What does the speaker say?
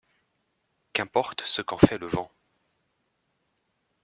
Qu’importe ce qu’en fait le vent!